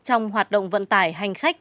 trong hoạt động vận tải hành khách